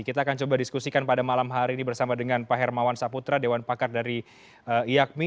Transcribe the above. kita akan coba diskusikan pada malam hari ini bersama dengan pak hermawan saputra dewan pakar dari iakmi